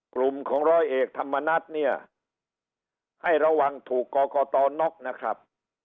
กลุ่มของร้อยเอกธรรมนัฐเนี่ยให้ระวังถูกกรกตน็อกนะครับ